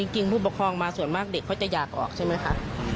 ผู้ปกครองมาส่วนมากเด็กเขาจะอยากออกใช่ไหมคะ